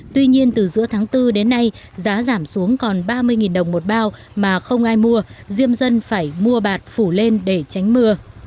tuy nhiên từ giữa tháng bốn đến nay giá giảm xuống còn ba mươi đồng một bao mà không ai mua diêm dân phải mua bạt phủ lên để tránh mưa